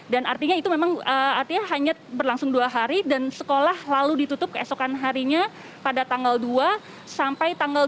dan artinya itu memang hanya berlangsung dua hari dan sekolah lalu ditutup keesokan harinya pada tanggal dua sampai tanggal dua belas